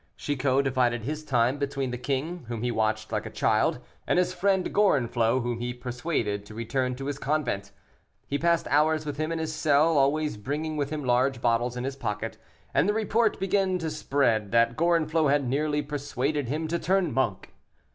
Chicot divided his time between the king, whom he watched like a child, and his friend Gorenflot, whom he had persuaded to return to his convent. He passed hours with him in his cell, always bringing with him large bottles in his pocket, and the report begin to be spread that Gorenflot had nearly persuaded him to turn monk.